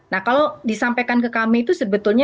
nah kalau disampaikan ke kami itu sebetulnya